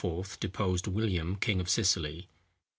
deposed William, king of Sicily.